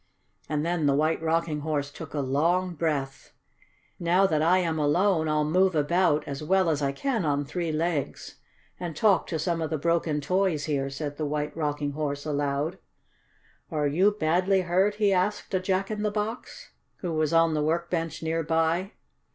And then the White Rocking Horse took a long breath. "Now that I am alone I'll move about, as well as I can on three legs, and talk to some of the broken toys here," said the White Rocking Horse aloud. "Are you badly hurt?" he asked a Jack in the Box, who was on the work bench near by.